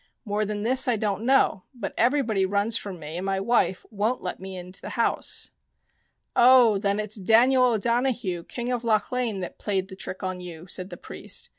More than this I don't know : but everybody runs from me, and my wife won't let me into the house." " Oh, then, it's Daniel O'Donohue, King of Lochlein, that played the trick on you," said the priest.